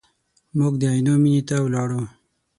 موږ د عینو مینې ته ولاړو.